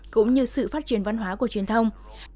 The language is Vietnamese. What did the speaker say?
cũng như sự phát triển văn hóa của truyền thông